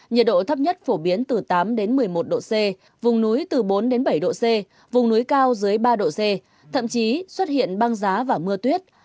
nhiệt độ thấp nhất phổ biến từ tám đến một mươi một độ c vùng núi từ bốn bảy độ c vùng núi cao dưới ba độ c thậm chí xuất hiện băng giá và mưa tuyết